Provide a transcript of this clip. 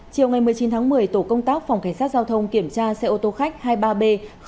chiều một mươi chín một mươi tổ công tác phòng cảnh sát giao thông kiểm tra xe ô tô khách hai mươi ba b một trăm hai mươi bảy